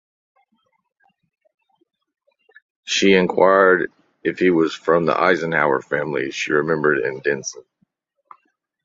She inquired if he was from the Eisenhower family she remembered in Denison.